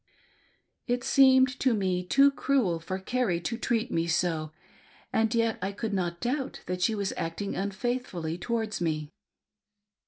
It seemed to me too cruel for Carrie to treat me so, and yet I could not doubt that she was acting unfaithfully towards me.